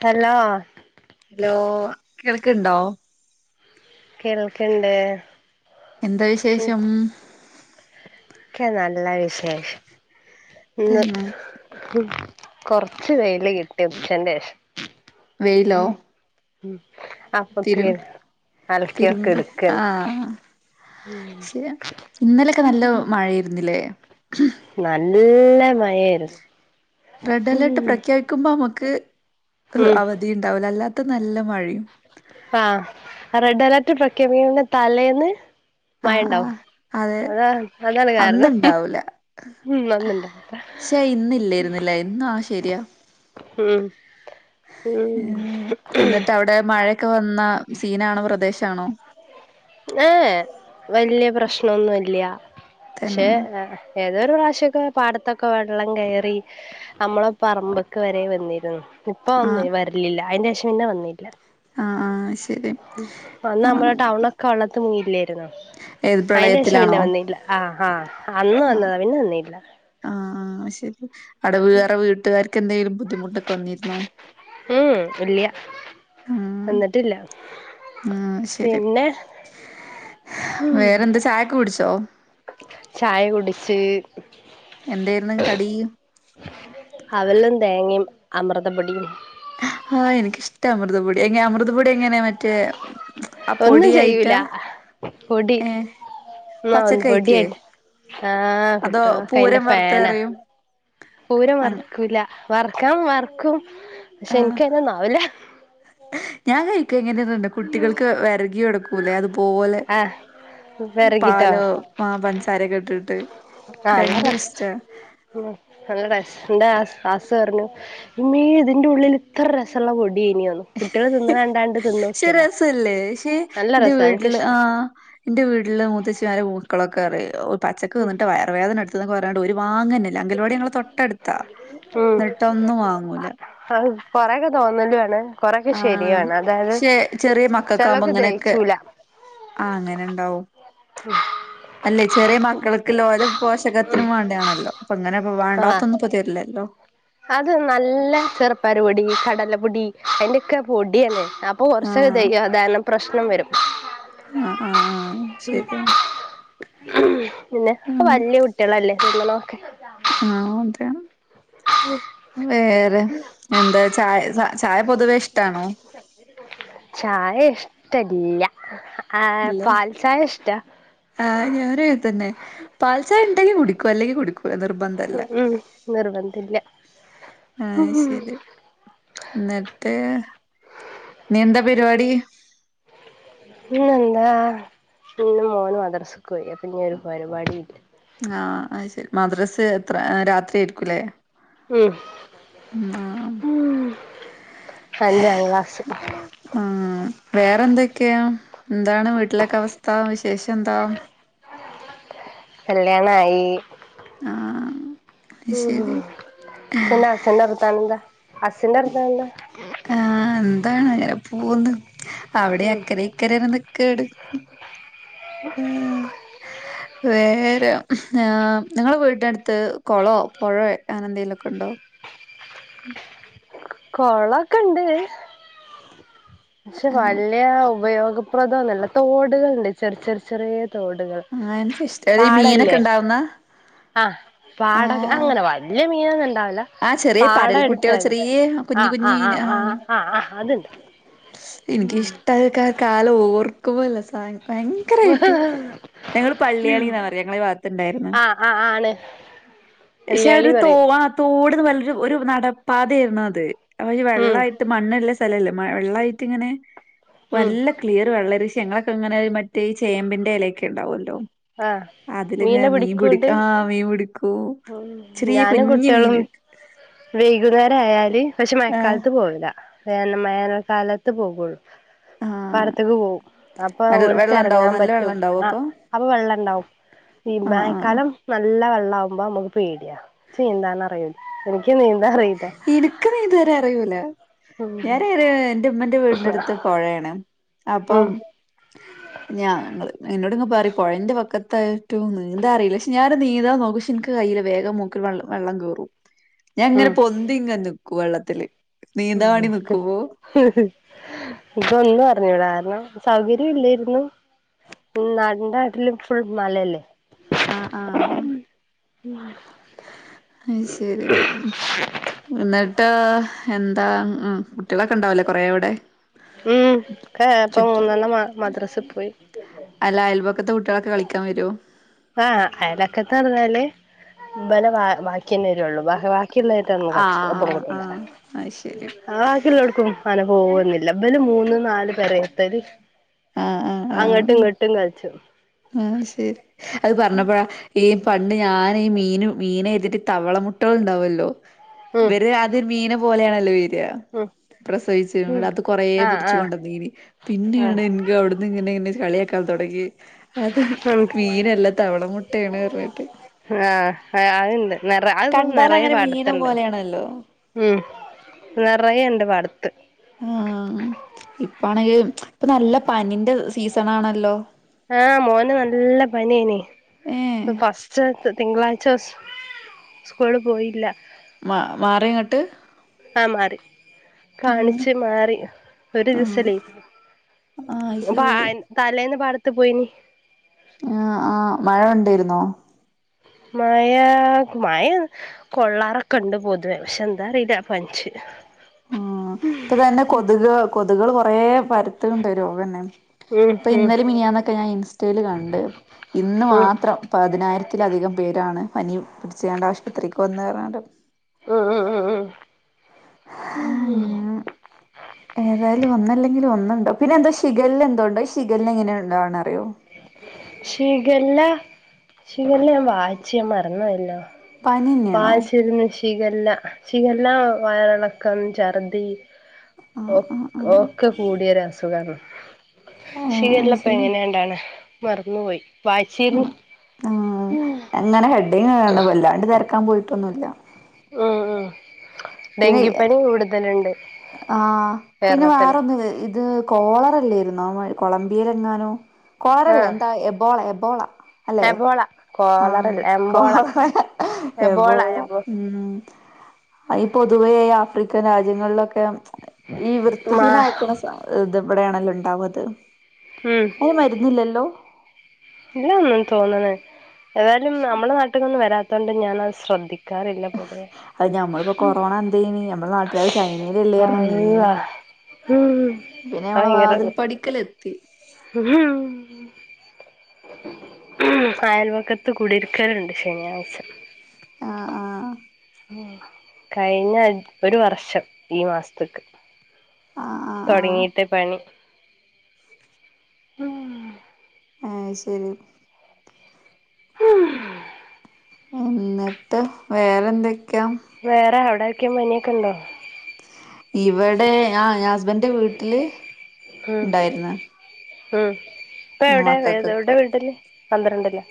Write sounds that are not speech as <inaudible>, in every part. Hello hello കേൾക്കുണ്ടോ കേൾക്കണ്ട് എന്താ വിശേഷം ഒക്കെ നല്ല വിശേഷം പിന്നെ ഇങ്ങക്ക് ഉ കൊറച്ച് വെയില് കിട്ടി ഉച്ഛന്റെ ശേഷം വെയിലോ ഉം തിരു അലക്കിയൊക്കെ തിരുമ്പി എടുക്കാണ് ആഹ ശരി ഇന്നലൊക്കെ നല്ല മഴയിരുന്നില്ലേ നല്ല മ നേര് റെഡ് അലർട്ട് പ്രഖ്യപിക്കുമ്പോം നമുക്ക് ഹ് ഉം അവധി ഉണ്ടാവല അല്ലാ ത്ത് നല്ല മഴയും ആഹ റെഡ് അലർട്ട് പ്രഖ്യാപിക്കുന്ന തലേന്ന് മഴ ആഹ് ഉണ്ടാവും ആഹ് അതെ അതാ അതാണ് കാരണം അന്നുണ്ടാവൂല ഉ വന്നിണ്ടത്ര പക്ഷെ ഇന്നില്ലായിരുന്നില്ലേ ഉം ഉ ഉം എന്നിട്ട് അവിടെ മഴ ക്കെ വന്ന സീനാണോ പ്രദേശ ആണോ ആഏ വലിയ പ്രം പ്രശ്നമൊന്നും ഇല്ല്യ തന്നെ ശേ ആ ഏതോരു പ്രാവശ്യക്കെ പാടത്തൊക്കെ വെള്ളം കയറി നമ്മള പറമ്പക്ക് വരെ വന്നിരുന്നു ഇപ്പൊ ആഹ് വരിലില്ല അതിന്റെ ശേഷം പിന്നെ വന്നിട്ടില്ല ആഹ് ആഹ് ശരി അന്ന് നമ്മള ആഹ് ടൗണോക്കെ വെള്ളത്തി മുങ്ങി ഏത് അയിന്റെ ശേഷം പിന്നെ പ്രളയത്തിലാണോ വന്നില്ല ആഹ് ആഹ അന്ന് വന്നത് അണ് പിന്നെ വന്നില്ല ആഹ് ആ ആഹ് ശരി അവിടെ വേറെ വീട്ടുകാർക്ക് എന്തെങ്കിലും ബുദ്ധിമുട്ടൊക്കെ വന്നിരുന്നോ ഉം ഇല്ല്യ ഉ വന്നിട്ടില്ല ഉ ശരി പിന്നെ വേറെന്താ ചായഒക്കെ കു ടിച്ചോ ശ എന്തായിരുന്നു കടി അവിലും തേങ്ങയും അമൃതം പൊടിയും ആ എനിക്കിഷ്ടമാണ് അമൃതം പൊടി എങ്ങന അമൃത അമൃതപൊടി എങ്ങനെ മറ്റേ ഒന്നും ചെയ്യില്ല പൊടിയായിട്ടാ പൊടി ഏഹ് ആ ഒും പച്ചക്കൈക്ക് പൊടിയായി ആഹ് അതോ കുട്ടികൾ ഒക്കെ അതിന്റെ പൂരം ഫാനാ വറുത്തെറിയും പൂരം അങ്ങ വർക്കുകയില്ല വറക്കാൻ മറക്കും പക്ഷെ ആഹ് എനിക്ക് അതിനൊന്നും ആവില്ല ഞാൻ കഴിക്കും എങ്ങനെയെന്നുണ്ട് കുട്ടികൾക്ക് വരകി കൊടുക്കും <inaudible> പോലെ ആഹ് വെറകിട്ടോ പാലോ ആ പഞ്ചസാരൊക്കെ ഇട്ടിട്ട് ആഹ ഭയങ്കര ഇഷ്ടാ നല്ല ടേസ്റ്റ് ഉണ്ട് എന്റെ മാഷ് പറഞ്ഞു ഇമ്മേ ഇതിന്റെ ഉള്ളിൽ ഇത്ര രസമുള്ള പൊടിയോ പക്ഷെ തിന്നോക്കിയതാ രസല്ലേ പക്ഷേ നല്ല എന്റെ രസാ വീട്ടിൽ എനിക്കിഷ്ടാ ആഹ് എന്റെ വീട്ടില് മൂത്തച്ഛിമാരും അവർക്കൊക്കെ അറിയോ പച്ചക്ക് കഴിച്ചിട്ട വയറുവേദന എടുക്കുകയാണ് പറഞ്ഞിട്ട് അവര് വാങ്ങാറില്ല അംഗൻവാടി ഞങ്ങളുടെ തൊട്ടടുത്താണ് ഉം എന്നിട്ടൊന്നും വാങ്ങില്ല അത് കൊറെയൊക്കെ തോന്നലുവാണ് കൊറെയൊക്കെ ആ ശരിയുവാണ് അതായത് പക്ഷെ ചെറിയ മക്കൾക്കാവുമ്പോൾ ചെലതൊക്കെ ഇങ്ങനെയൊക്കെ ദഹിച്ചൂല ആ അങ്ങനെ ഉണ്ടാവും അല്ലെ ചെറിയ മക്കൾക്ക് ആരോഗ്യത്തിനും പോഷകത്തിനും വേണ്ടാണല്ലോ അപ്പൊ അങ്ങനെ ആഹ് വേണ്ടാത്തതൊന്നും തരില്ലല്ലോ അത് നല്ല ചെറുപയർ പൊടി കടലപ്പൊടി അതിന്റെയൊക്കെ പൊടിയാണ് അപ്പൊ കുറച്ചു ആഹ് ദഹന പ്രശ്നം വരും ആഹ് ആഹ് ആഹ് ശരിയാണ് പിന്നെപ്പോ വലിയ കുട്ടികളല്ലേ ഓക്കെ അഹ് ഓക്കേ വേറെ എന്താ ചായ പൊതുവേ ഇഷ്ടമാണോ ഇഷ്ടമില്ല ല്ലേ ആഹ് ഞാന്ങ്ങനെതന്നെ പാൽചായ ണ്ടെങ്കി കുടിക്കു പല്ലേ കൊടുക് നിർബന്ധല്ല ഉം നിർബന്ധമില്ല ആഹ് ശരി ന്നിട്ട് നീന്ത പര്പാടി പിന്നെന്താ ഇന്ന് മോനു മദ്രസ്കൊയി അപ്പൊ നി ഒരു പരിപാടില്ല ആഹ് അത് ശരി മദ്രസ് എത്ര രാത്രി ആയിര്ക്കുല്ലേ ഉം ഉം ആ ഉം അഞ്ചാം ക്ലാസ് ആ വേറെന്തൊക്കെയാ ന്താണ് വീട്ട്ലൊക്ക അവസ്ഥ വിശേഷ ന്താ ല്യാണായി ആഹ് അത് ഉം ശരി സന സന ർ തെന്താ ഹസിന്റെ ർതാനെന്താ ആഹ് എന്താണ് അങനെ പോന്ന്. അവ്ടെ ഉം അക്കരെ ഇക്കരെ ർന്ന് കേട് ഉം വെ നേരാം ആ നിങ്ങള വീട്ടിനട്ത്ത് കൊളോ പൊഴേ അങ്ങനെന്തേലൊക്കണ്ടോ? കൊളൊക്ക്ണ്ട് ച് ആഹ് വല്ല്യാവും. ഉപയോഗപ്രദൊല്ലല്ലോ തോട്കള്ണ്ട് ചെറ് ചെറ് ചെറിയെ തോടുകൾ ആഹ് എനിക്കിഷ്ട ഈ മീനൊക്കെ പാടല്ലേ? ഉണ്ടാവുന്ന ആ പാടക് അങ്ങനെ വല്ല്യ മീനൊന്ന ആ ചെറിയെ പരൽ കുട്ട്യാള് ചെറ്യേ ആഹ് ആഹ് ആഹ് ആ ആഹ് ആഹ് അത്ണ്ട്. ഇനിക്കിഷ്ടായൊക്കെ ആകാലോർ കുവലസൈൻ ഭയങ്കരായിട്ട് ഞങ്ങള് പള്ളിയാണിന്നാ പറ്യ ഞങ്ങള ഭാഗത്ത്ണ്ടായ്ര്ന്ന് ആഹ് ആഹ് ആണ് ശെ വെല്ലുവിളി ഒരു പറയും തോവ തോടന്ന് വല്ല ഒരു നടാം പാത ആയിരുന്നു അത് ഒരു ഉം വെള്ളായിട്ട് മണ്ണ് എല്ലാം നല്ല സ്ഥലമല്ലേ വെള്ളായിട്ട് ഇങ്ങനെ ഉം നല്ല ക്ലിയർ വെള്ളമാണ് ഞങ്ങളൊക്കെ അങ്ങനെ ഒരു മറ്റേ ഈ ചേമ്പിന്റെ ഇലൊക്കെ ഇണ്ടാവുമല്ലോ ആഹ് അതില്ങ്ങ മീനെ മീൻ പിടിക്കൂണ്ട് പിടിക്കാം ആ മീൻ പിടിക്കും ചെറിയ ഞാനും കുഞ്ഞു മീൻ ഉം കുട്ടികളും വൈകുന്നേരം ആയാല് പക്ഷേ ആഹ് മഴക്കാലത്ത് പോവില്ല വേന വേനൽക്കാലത്ത് പോകയുള്ളൂ ആഹ് പാടത്തേക്ക് പോവും അപ്പൊ നല്ല ഓൾക്ക് വെള്ളം ഉണ്ടാവോ ഇറങ്ങാൻ നല്ല പറ്റും വെള്ളം ഉണ്ടാവോ ആ അപ്പൊ വെള്ളം ഉണ്ടാകും, ആഹ് ആഹ് മഴക്കാലം നല്ല വെള്ള ള്ളം ആകുമ്പം മ്മക്ക് പേടിയ നീന്താൻ എനിക്ക് നീന്തൻ അറിയില്ല ഇനിക്ക് നീന്തൽ അറിയൂല ഉം ഞാനര് എൻ്റെ ഉമ്മൻ്റെ വീടിന്റെ അടുത്ത് പുഴയാണ് ഉം അപ്പം ഞാ നി എന്നോട്ങ് പറയി പുഴന്റെ വക്കത്തായിട്ടും നീന്താ അറിയില്ല പക്ഷെ ഞാനൊ നീന്താൻ നോക്കി പക്ഷെ എനിക്ക് കയ്യിയില് വേഗം മൂക്കില് വെള്ളം കേറും ഞാൻങ്ങനെ പൊന്തിങ്ങലും കു വെള്ളത്തില് നീന്താൻ വേണ്ടി നിക്കുമ്പോ ഇതൊന്നും അല്ല വിട കാരണം സൗകര്യം ഇല്ലായിരുന്നു നാടിന്റൊട്ടിലും ഫുൾ മലയല്ലേ ആ ആ <unintelligible> അ ശരി മ എന്താ ഉം കുട്ടികളൊക്കെ ഉണ്ടാവല്ലേ കൊറേ അവിടെ ഉം ഇപ്പൊ ചുറ്റും മൂന്നെണ്ണം മദ്രസ പോയി അപ്പുറത്തെ കുട്ടികളൊക്കെ കളിക്കാൻ വരുവോ ആ അയലൊക്കെത്ത് പറഞ്ഞാല് വല ബാക്കി തന്നെ വരുള്ളു കായിട്ടന്ന ഒപ്പം ആഹ് കട്ടില്ല ആഹ് അത് ശരി ആ കിള്ള് എടുക്കും അന പോവന്നില്ല എബല് മൂന്ന് നാല് പേരെ എത്തല് ആഹ് ആഹ് അങ്ങോട്ടും ആഹ് ഇങ്ങോട്ടും കളിച്ചു ആഹ് ശരി അത് പറഞ്ഞപ്പോഴാ ഈ പണ്ട് ഞാൻ മീന് മീന എഴതിട്ട് തവള മുട്ടക ഉണ്ടാവുമല്ലോ ഉം ഇവര് അത് മീനെ പോലെയാണല്ലോ വരിക ഉം പ്രസവിച്ച് ഉം അത് കൊറ ആഹ് ആഹ് പിടിച്ചുൊണ്ട മീന് പിന്നെയണ് ആഹ് കൊടു ഇന്നെ ഇന്ന കളിയാക്കാൾ തുടങ്ങി അത് ഉണ്ട് മീനെല്ലാം തവള മുട്ട കുട്ടയാണ് പറഞ്ഞിട്ട് ആഹ അണ്ട് നിറ അതും കണ്ടാൽ നിറയെ അങ്ങനെ മീന പാടത്തുണ്ട് പോലെയാണല്ലോ ഉ നിറയെഉണ്ട് പാടത്ത് അ ആ ഇപ്പാണെങ്കിൽ ഇപ്പ നല്ല പനിന്റെ സീസൺ ആണല്ലോ ആഹ മോന നല്ല പനിയന ഏഹ് ഫസ്റ്റ് തിങ്കളാഴ്ച ച്ച സ്കൂളിൽ പോയില്ല മാ മാറിയങ്ങട്ട് ആഹ മാറി ഉം കാണിച്ച്മാറി ഒരു ദിവസലേ ആഹ് ശരി തലേന്ന് പാടത്ത് ത്ത പോയിനി ആ ആഹ മഴ ഉണ്ടായിരുന്നോ മായ മായ കൊള്ളാറൊക്കെ ഉണ്ട് പൊതുവേ പക്ഷെ എന്താറിയില്ല പഞ്ച് ഉം ഇപ്പൊ തന്നെ കൊതുക് കൊ കൊതുകൾ കുറേ പരുത്തുണ്ട് രോഗംന്നെ ഉം ഇപ്പൊ ഉം ഇന്നലെ മിനിഞ്ഞാന്നൊക്കെ ഞാൻ ഇൻസ്റ്റൽ കണ്ട് ഇന്ന് ഉം മാത്രം പതിനായിരത്തിലധികം പേരാണ് പനി പിടിച്ചാണ്ട് ആശുപത്രിക്ക് വന്ന് വറണ്ട് ഉം ഉം ഉം ഉം ഉം ഏതായാലും ഒന്നല്ലെങ്കിലും ഒന്ന ണ്ടോ പിന്നെ എന്തോ ശിഖല എന്തോണ്ടോ ശിഖല എങ്ങനെ ഉണ്ടോണറിയോ ശിഖല്ല ശിഖല്ല ഞാൻ വായിച്ച് ഞാൻ മറന്ന് പോയല്ലോ പനിന്നെയാണോ ചികല്ല ചികല്ല വയളക്കം ഛർദി ആഹ് ഒ ആഹ് ആഹ് ഒക്കെ കൂടിയരു അസുഖങ്ങ ഏഹ് അത് ശിഖല്ലപ്പ ശരി എങ്ങനെയാണ്ടാണ് മറന്നുപോയി പാച്ചിൽ ഉ അങ്ങനെ ഹെഡ കൊല്ലാണ്ട് ര ക്കാൻ പോയിട്ടൊന്നുമില്ല ആ ആ ഡെങ്കിപ്പനി കൂടുതലുണ്ട് ആഹ പിന്നെ കേരളത്തില് വേറൊന്ന് ഇത് കോളറല്ലേയിന്നോ കൊളംബിയൽ എങ്ങാനോ കോളറല്ല ആഹ് എന്താ എബോള ബോള അല്ലെ എബോള ആഹ കോളറല്ല എംബോള എബോള എബോ <unintelligible> പൊതുവേ ആഫ്രിക്കൻ രാജ്യങ്ങളിലൊക്കെ ഒക്ക ഈ മാ വൃത്തിഹീനായിക്കണ ഇത വിടെയാണല്ലോ ഉണ്ടാവത് ഉം അയിന് മരുന്നില്ലല്ലോ ഏതാലും നമ്മടെ നാട്ടിന്നൊന്ന് വരാ അതൊണ്ട് ഞാനത് ശ്രദ്ധിക്കും അത് ഞമ്മളിപ്പോ കൊറോണ എന്തയിനി ഞമ്മള നാട്ടിലൽ ചൈനയിലല്ലേര്ന്ന മെയ്ൻ അള്ളാ ഉം പിന്നെ ഞമ്മളെ ഭയങ്കര വാതിൽ പടിക്കല് അയൽവക്കത്ത് കുടിരിക്കലുണ്ട് ശനിയാഴ്ച ആ ആ കഴിഞ്ഞ ഒരു വർഷം ഈ മാസത്തേക്ക് ആഹ് ആഹ് തുടങ്ങിട്ട പണി ആഹ ശരി എന്നിട്ട് വേറെന്തൊക്ക വേറെ എവിടെ ഒക്കെ മനി കണ്ടോ ഇവിടെ ആ ഞാൻ <inaudible> ന്റെ വീട്ടില് ഉണ്ടായിര്ന്ന് ആഹ ഇപ്പൊ എവിടെ എവിടെ മക്കൾക്കൊക്കെ വീട്ടല്ലേ പന്ത്രണ്ടിന്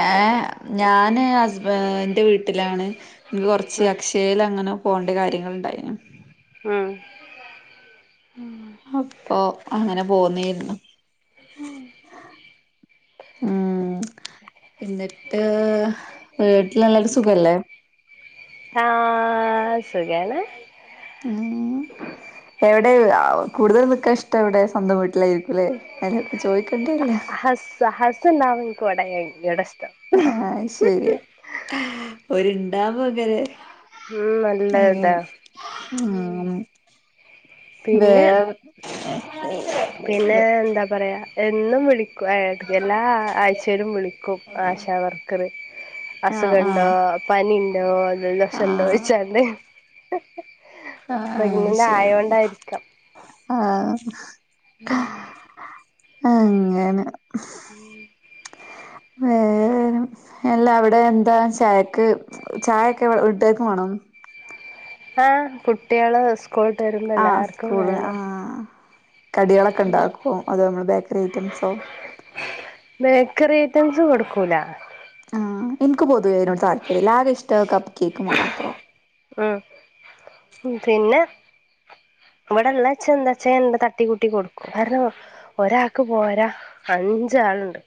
ഏ ഞാന് ഹസ്ബ ന്റെ വീട്ടിലാണ് എക്ക് കൊറച്ച് ഉം അക്ഷയേല് അങ്ങനെ പോണ്ട കാര്യങ്ങൾ ഉണ്ടായിന് ഉം അപ്പൊ അങ്ങനെ പോന്നേരുന്നു ആ എന്നിട്ട് വീട്ടിലെല്ലാരു സുഖല്ലേ ആഹ സുഖാണ് ഉം എവി വിടെ ആവു കൂടുതൽ നിൽക്കാ ഇഷ്ട്ടം എവിടെ സ്വന്തം വീട്ടിലായിരിക്കുംല്ലെ അല്ല ചോദിക്കേണ്ടേല്ല ഹസ ഹസ് ഉണ്ടാമ്പോ ഇന്ക് ഇവിടെ കയി എടെ സ് ആഹ ശരിയ ഒര്ണ്ടാകുമ്പങ്ങനെ ഉം നല്ലതാ ആ ഉം പിന്നെ വേറെ ഇന്നും വിളി എല്ലാ ആഴ്ചലും വിളിക്കും ആശാവർക്കർ ആഹ് അസുഖണ്ടോ ആഹ് പനി <unintelligible> നല്ലസ്സണ്ടോയ്ച്ചാണ്ട് ഉം ഉം ആഹ ആഹ ശരി ക്കം ആഹ ഉം ആ അങ്ങനെ ഉം വേറെ എല്ലാ അവിടെ എന്താ ചായക്ക് ചായൊക്കെ വീട്ടാർക്കും മാണോ ആഹ കുട്ട്യാള് സ് സ്ക്കോള്ട്ട് വരുമ്പം എല്ലാർക്കും വേണം കട്യേളക്കെ ഉണ്ടാക്കോ അതോ നമ്മൾ ബേക്കറി ഐറ്റംസോ തവിസ് കൊടുക്കൂല ആഹ ഇന്ക്ക് പൊതുവെ അയിനോട് താല്പര്യല്ല ആകെ ഇഷ്ട്ടം കപ് കേക്ക് മാത്രോ ഉം പിന്നെ ഇവിടെള്ളച്ചാ എന്താച്ചാ ഞാൻ തട്ടി കൂട്ടി കൊടുക്കും കാരണം ഒരാൾക്ക് പോരാ അഞ്ചാള്ണ്ട്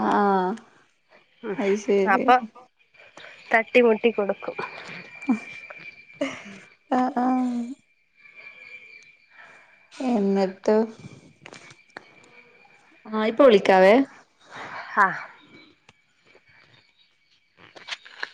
ആഹ ഉം അപ്പോ തട്ടി മുട്ടി കൊടുക്കും ആ ആഹ എന്നിട്ട് ആ ഇ പ്പ വിളിക്കാവേ ആഹ <inaudible>